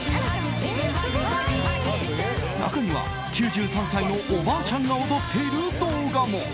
中には、９３歳のおばあちゃんが踊っている動画も。